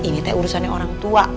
ini teh urusannya orang tua